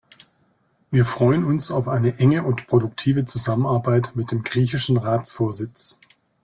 Wir freuen uns auf eine enge und produktive Zusammenarbeit mit dem griechischen Ratsvorsitz.